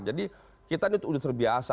jadi kita ini itu udah terbiasa